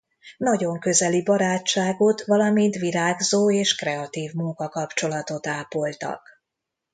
Nagyon közeli barátságot valamint virágzó és kreatív munkakapcsolatot ápoltak.